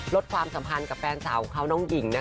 ความสัมพันธ์กับแฟนสาวของเขาน้องหญิงนะคะ